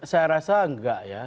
saya rasa enggak ya